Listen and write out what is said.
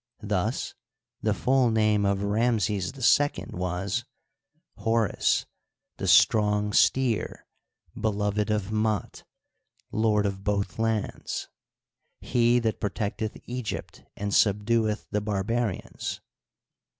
Thus, the full name of Ramses II was : Horus, The strong steer, beloved of Mat, Lord of Both Lands: He that protect eth Egypt and subdueth the Barbarians.